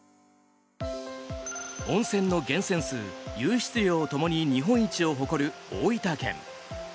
温泉の源泉数、湧出量ともに日本一を誇る大分県。